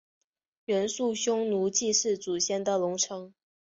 元朔匈奴祭祀祖先的龙城。